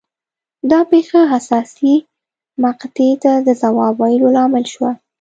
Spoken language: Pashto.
دا پېښه حساسې مقطعې ته د ځواب ویلو لامل شوه.